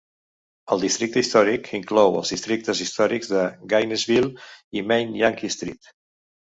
El districte històric inclou els districtes històrics de Gainesville i Main-Yankee Street.